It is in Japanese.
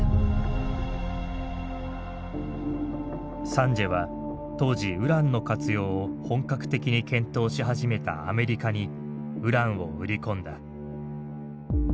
サンジエは当時ウランの活用を本格的に検討し始めたアメリカにウランを売り込んだ。